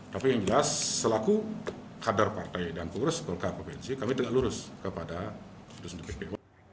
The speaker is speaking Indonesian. tapi yang jelas selaku kader partai dan pengurus golkar provinsi kami tegak lurus kepada keputusan dppu